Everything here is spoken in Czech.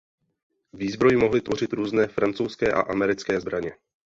Výzbroj mohly tvořit různé francouzské a americké zbraně.